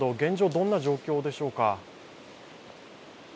どんな状況でしょうか？